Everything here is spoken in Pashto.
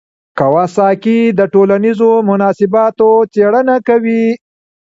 کواساکي د ټولنیزو مناسباتو څېړنه کوي.